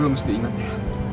lo mesti ingat ya